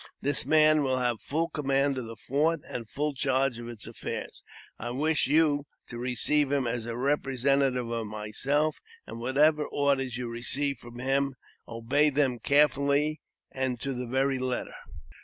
This man will have full command of the fort, and full charge of its affairs. I wish you to receive him as a representative of myself, and, whatever orders you receive from him, obey them cheerfullyj, and to the very letter."